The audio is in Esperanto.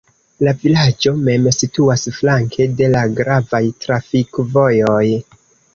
La vilaĝo mem situas flanke de la gravaj trafikvojoj.